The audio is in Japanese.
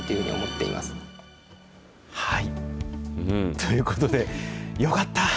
ということで、よかった。